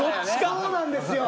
そうなんですよ。